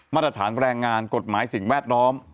มาตรฐานแรงงานกฎหมายสิ่งแวดล้อม